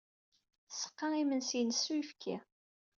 Tseqqa imendi-ines s uyefki.